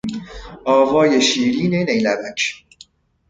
آوای شیرین نیلبک